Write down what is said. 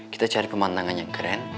kita cari pemandangan yang keren